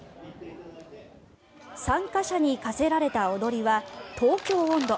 参加者に課せられた踊りは「東京音頭」。